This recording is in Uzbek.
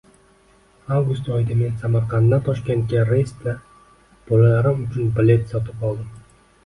Avgust oyida men Samarqanddan Toshkentga reysda bolalarim uchun bilet sotib oldim